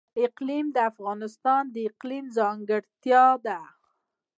اقلیم د افغانستان د اقلیم ځانګړتیا ده.